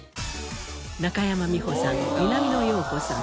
中山美穂さん南野陽子さん